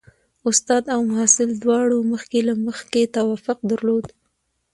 استاد او محصل دواړو مخکې له مخکې توافق درلود.